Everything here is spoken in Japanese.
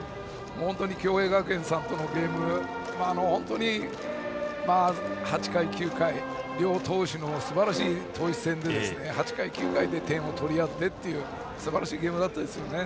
共栄学園さんとのゲーム８回、９回両投手のすばらしい投手戦で８回、９回で点を取り合ってすばらしいゲームでした。